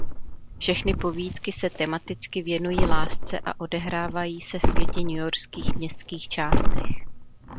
Všechny povídky se tematicky věnují lásce a odehrávají se v pěti newyorských městských částech.